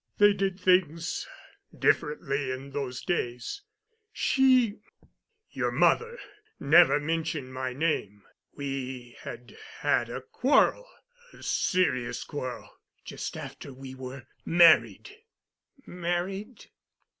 "They did things—differently in those days. She—your mother—never mentioned my name. We had had a quarrel—a serious quarrel—just after we were married——" "Married?"